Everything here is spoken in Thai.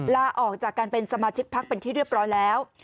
ลาออกจากการเป็นสมาชิกพักเป็นที่เรียบร้อยแล้ว